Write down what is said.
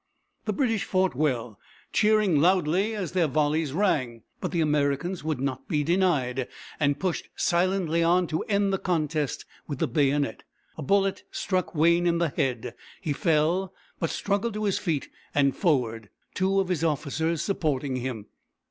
The British fought well, cheering loudly as their volley's rang, but the Americans would not be denied, and pushed silently on to end the contest with the bayonet. A bullet struck Wayne in the head. He fell, but struggled to his feet and forward, two of his officers supporting him.